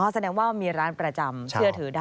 แสดงว่ามีร้านประจำเชื่อถือได้